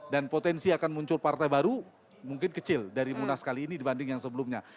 dan potensi akan muncul partai baru mungkin kecil dari munas kali ini dibanding yang sebelumnya